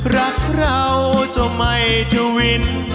รักเราเจ้าไม่ดูวิน